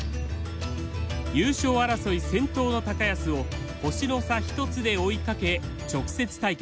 優勝争い先頭の安を星の差一つで追いかけ直接対決。